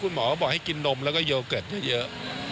หมอก็บอกให้กินนมแล้วก็โยเกิร์ตให้เยอะ